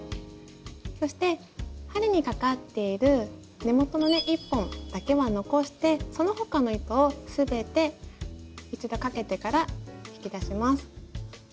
そして針にかかっている根元のね１本だけは残してその他の糸を全て一度かけてから引き出します。